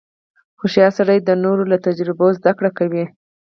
• هوښیار سړی د نورو له تجربو زدهکړه کوي.